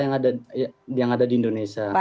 yang ada di indonesia